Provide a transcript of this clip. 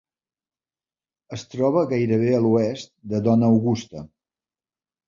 Es troba gairebé a l'oest de Dona Augusta.